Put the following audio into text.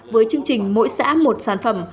với chương trình mỗi xã một sản phẩm